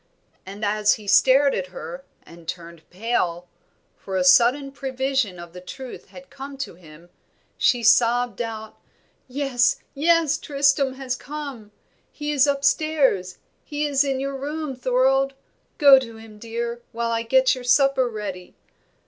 and as he stared at her, and turned pale for a sudden prevision of the truth had come to him she sobbed out, "Yes, yes, Tristram has come he is upstairs; he is in your room, Thorold. Go to him, dear, while I get your supper ready."